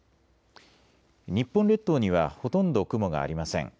日本列島にはほとんど雲がありません。